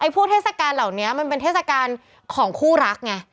พวกเทศกาลเหล่านี้มันเป็นเทศกาลของคู่รักไง